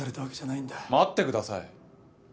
待ってください。